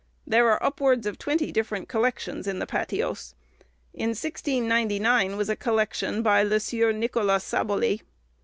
There are upwards of twenty different collections in the patois. In 1699, was a collection by Le Sieur Nicolas Saboly.